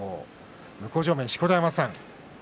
向正面の錣山さん